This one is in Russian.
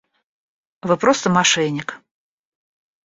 Вы просто мошенник.